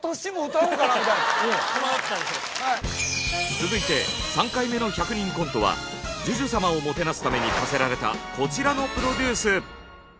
続いて３回目の１００人コントはＪＵＪＵ様をもてなすために課せられたこちらのプロデュース。